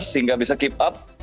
sehingga bisa keep up